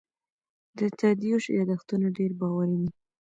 د تادیوش یادښتونه ډېر باوري دي.